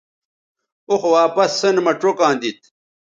اوخ واپس سین مہ چوکاں دیتھ